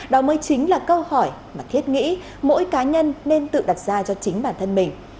đó mới chính là câu hỏi mà thiết nghĩ mỗi cá nhân nên tự đặt ra cho chính bản thân mình